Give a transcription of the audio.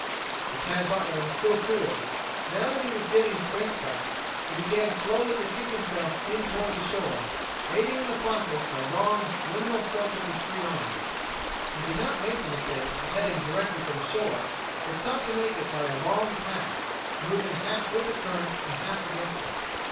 But Tad Butler was still cool. Now that he was getting his strength back, he began slowly to kick himself in toward shore, aiding in the process by long windmill strokes of his free arm. He did not make the mistake of heading directly for the shore, but sought to make it by a long tack, moving half with the current and half against it.